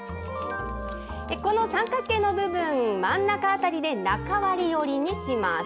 この三角形の部分、真ん中辺りで中割折りにします。